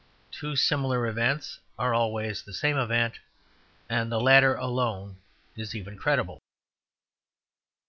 Two similar events are always the same event, and the later alone is even credible.